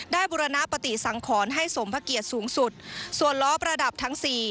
บุรณปฏิสังขรให้สมพระเกียรติสูงสุดส่วนล้อประดับทั้งสี่